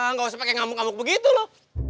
nggak usah pake ngamuk ngamuk begitu lu